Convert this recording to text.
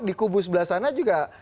di kubu sebelah sana juga